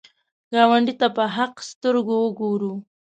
ګاونډي ته په حق سترګو وګوره